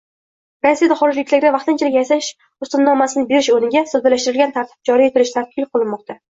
Rossiyada xorijliklarga vaqtinchalik yashash ruxsatnomasini berish o‘rniga soddalashtirilgan tartib joriy etish taklif qilinmoqda